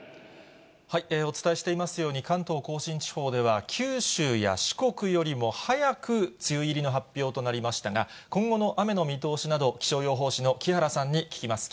お伝えしていますように、関東甲信地方では、九州や四国よりも早く梅雨入りの発表となりましたが、今後の雨の見通しなど、気象予報士の木原さんに聞きます。